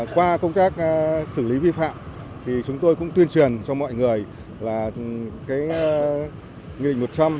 qua công tác xử lý vi phạm thì chúng tôi cũng tuyên truyền cho mọi người là cái nghị định một trăm linh